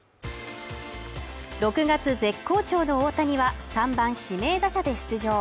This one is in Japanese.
６月絶好調の大谷は３番指名打者で出場。